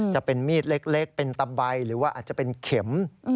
จะเป็นมีดเล็กเป็นตะใบหรือว่าอาจจะเป็นเข็ม